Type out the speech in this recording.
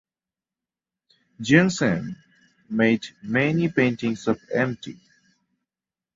Jeong Seon made many paintings of Mt.